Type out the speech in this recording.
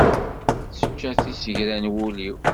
Tečča tisegra n wul-iw.